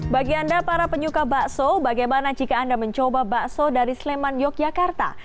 bagi anda para penyuka bakso bagaimana jika anda mencoba bakso dari sleman yogyakarta